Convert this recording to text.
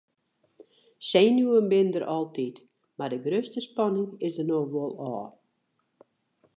Senuwen binne der altyd mar de grutste spanning is der no wol ôf.